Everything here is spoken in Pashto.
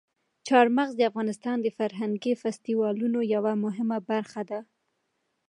چار مغز د افغانستان د فرهنګي فستیوالونو یوه مهمه برخه ده.